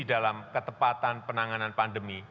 dalam ketepatan penanganan pandemi